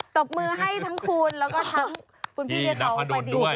ตบมือให้ทั้งคุณแล้วก็ทั้งพี่น้าพะดนด้วย